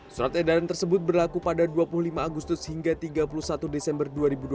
surat edaran tersebut berlaku pada dua puluh lima agustus hingga tiga puluh satu desember dua ribu dua puluh